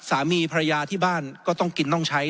สามีภรรยาที่บ้านก็ต้องกินต้องใช้